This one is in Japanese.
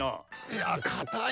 いやかたいね！